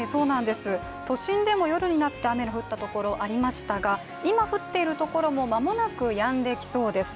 都心でも夜になって雨の降ったところありましたが、今降っているところもまもなくやんできそうです。